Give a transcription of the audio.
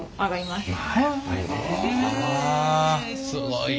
すごいな。